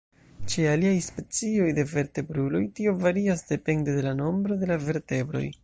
Ĉe aliaj specioj de vertebruloj tio varias depende de la nombro de la vertebroj.